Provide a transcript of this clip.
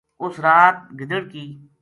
اُس رات گدڑ کِ